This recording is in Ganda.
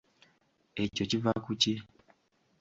Ekyo kiva ku ki?